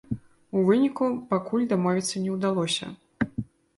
У выніку, пакуль дамовіцца не ўдалося.